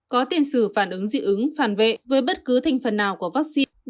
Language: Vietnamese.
có tiền sử phản ứng dị ứng phản vệ với bất cứ thành phần nào của vaccine